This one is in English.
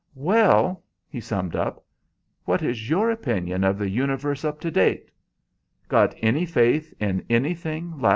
"Well," he summed up, "what is your opinion of the universe up to date? Got any faith in anything left?"